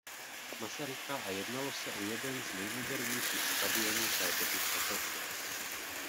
Masaryka a jednalo se o jeden z nejmodernějších stadionů té doby v Evropě.